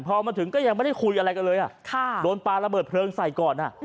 พอมาถึงก็ยังไม่ได้คุยอะไรกันเลยโดนปลาระเบิดเพลิงใส่ก่อน